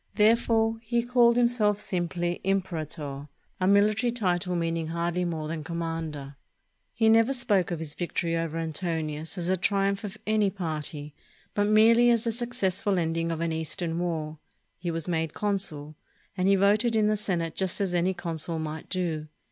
Therefore he called himself sim ply "imperator," a military title meaning hardly more than commander. He never spoke of his victory over Antonius as the triumph of any party, but merely as the successful ending of an Eastern war. He was made con sul; and he voted in the Senate just as any consul might do.